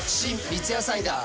三ツ矢サイダー』